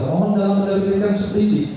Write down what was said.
mohon dalam pendapat mereka seperti ini